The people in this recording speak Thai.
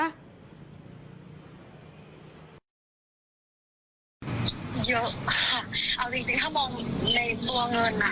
เยอะมากเอาจริงถ้ามองในตัวเงินอ่ะ